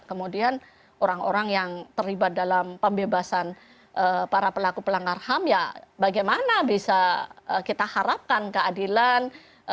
kemudian orang orang yang terlibat dalam pembebasan para pelaku pelanggar ham ya bagaimana bisa kita harapkan keadilan